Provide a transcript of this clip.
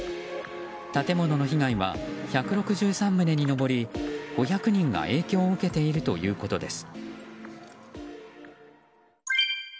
建物の被害は１６３棟に上り５００人が影響を受けているということです。